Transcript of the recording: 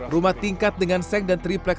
rumah tingkat dengan seng dan triplek